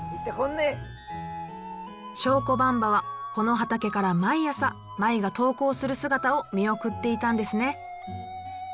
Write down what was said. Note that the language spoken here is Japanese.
祥子ばんばはこの畑から毎朝舞が登校する姿を見送っていたんですね。